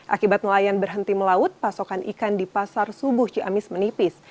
akibat nelayan berhenti melaut pasokan ikan di pasar subuh ciamis menipis